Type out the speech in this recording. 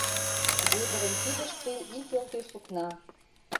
Вӧдырын кидыште ик ӧлтӧ сукна...